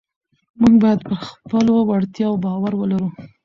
موږ باید پر خپلو وړتیاوو باور ولرو